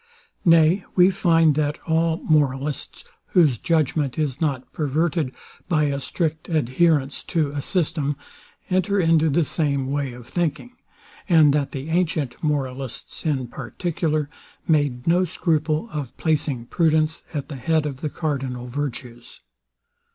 Nay, we find, that all moralists, whose judgment is not perverted by a strict adherence to a system, enter into the same way of thinking; and that the antient moralists in particular made no scruple of placing prudence at the head of the cardinal virtues.